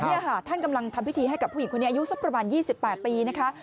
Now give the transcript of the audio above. นี่ค่ะท่านกำลังทำพิธีให้กับผู้หญิงคนนี้อายุสักประมาณ๒๘ปีนะคะ